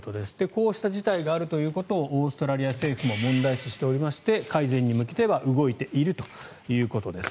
こうした事態があるということをオーストラリア政府も問題視しておりまして改善に向けては動いているということです。